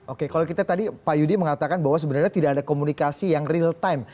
oke kalau kita tadi pak yudi mengatakan bahwa sebenarnya tidak ada komunikasi yang real time